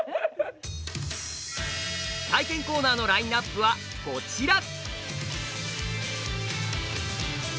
体験コーナーのラインナップはこちら。